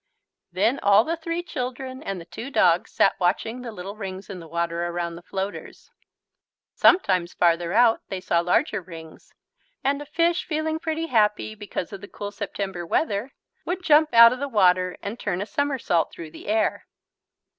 Then all the three children and the two dogs sat watching the little rings in the water around the floaters. Sometimes farther out they saw larger rings, and a fish feeling pretty happy, because of the cool September weather, would jump out of the water and turn a somersault through the air.